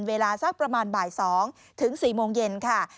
เวลาสักประมาณบ่าย๒ถึง๔โมงเย็นค่ะ